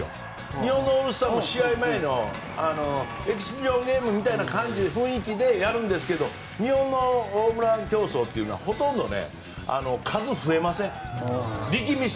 日本のオールスターも試合前のエキシビションみたいな雰囲気でやるんですけど日本のホームラン競争は数が増えます。